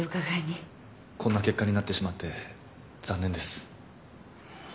こんな結果になってしまって残念です。